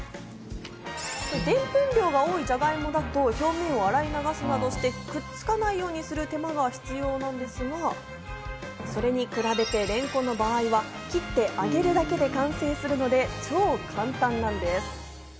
でんぷん量が多いじゃがいもだと、表面を洗い流すなどして、くっつかないようにする手間が必要なんですが、それに比べて、れんこんの場合は切って揚げるだけで完成するので超簡単なんです。